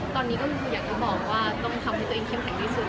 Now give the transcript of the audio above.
ตอนนี้ก็คืออยากจะบอกว่าต้องทำให้ตัวเองเข้มแข็งที่สุด